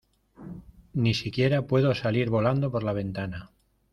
Ni siquiera puedo salir volando por la ventana.